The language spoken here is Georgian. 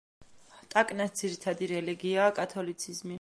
ტაკნას ძირითადი რელიგიაა კათოლიციზმი.